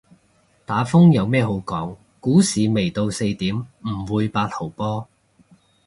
打風有咩好講，股市未到四點唔會八號波